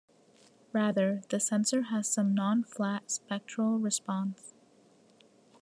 Rather, the sensor has some non-flat spectral response.